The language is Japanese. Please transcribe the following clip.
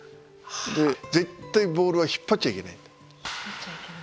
で絶対ボールは引っ張っちゃいけない。